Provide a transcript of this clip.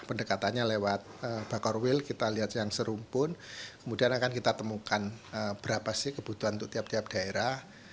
pendekatannya lewat bakar will kita lihat yang serumpun kemudian akan kita temukan berapa sih kebutuhan untuk tiap tiap daerah